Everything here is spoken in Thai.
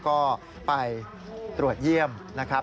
ก็ไปตรวจเยี่ยมนะครับ